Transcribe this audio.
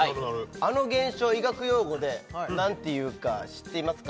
あの現象医学用語で何て言うか知っていますか？